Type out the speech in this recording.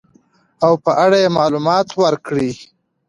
او په اړه يې معلومات ورکړي .